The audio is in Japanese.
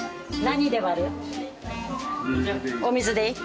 水でいい。